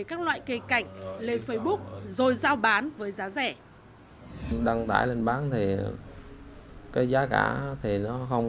các loại cây cảnh lên facebook rồi giao bán với giá rẻ đăng tải lên bán thì cái giá cả thì nó không